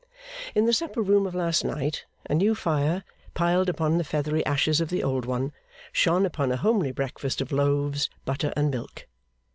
In the supper room of last night, a new fire, piled upon the feathery ashes of the old one, shone upon a homely breakfast of loaves, butter, and milk.